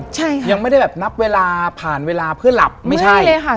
ใช่ค่ะยังไม่ได้แบบนับเวลาผ่านเวลาเพื่อหลับไม่ใช่ใช่ค่ะ